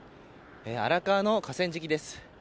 荒川の河川敷です。